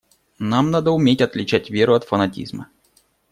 Нам надо уметь отличать веру от фанатизма.